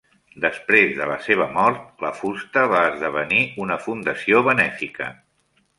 Després de la seva mort, la fusta va esdevenir una fundació benèfica.